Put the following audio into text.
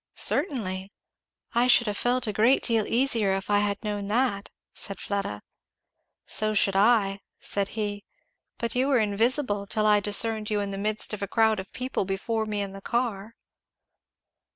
"Certainly." "I should have felt a great deal easier if I had known that," said Fleda. "So should I," said he, "but you were invisible, till I discerned you in the midst of a crowd of people before me in the car."